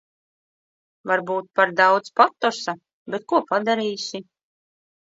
Varbūt par daudz patosa, bet ko padarīsi.